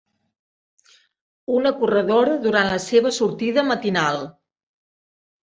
Una corredora durant la seva sortida matinal.